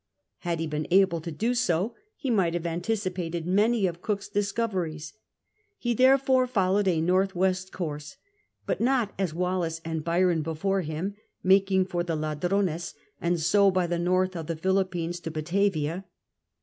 Had he been able to do so, he might have anticipated many of Cook's discoveries He therefore followed a N, W, course. But not, as Wallis and Byron before him, making for the Jjadrones, and so by the north of the Philippines to Batavia.